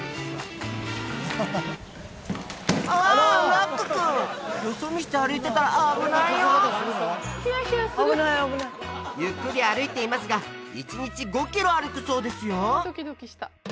ラック君よそ見して歩いてたら危ないよゆっくり歩いていますが１日５キロ歩くそうですよ